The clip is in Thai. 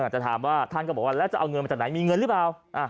จะถามว่าท่านก็บอกว่าแล้วจะเอาเงินมาจากไหนมีเงินหรือเปล่า